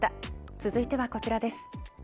続いてはこちらです。